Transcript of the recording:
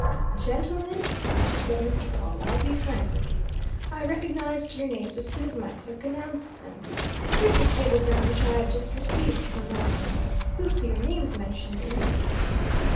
"Gentlemen," said Mr. Pawle, "I'll be frank with you. I recognized your names as soon as my clerk announced them. Here's a cablegram which I have just received from Melbourne you'll see your names mentioned in it."